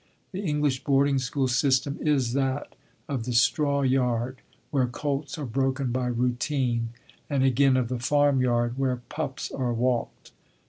The English boarding school system is that of the straw yard where colts are broken by routine, and again of the farmyard where pups are walked.